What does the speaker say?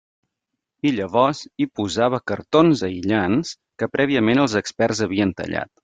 I llavors, hi posava cartons aïllants que prèviament els experts havien tallat.